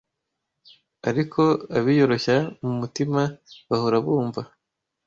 Ariko abiyoroshya mu mutima, bahora bumva